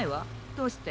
どうして？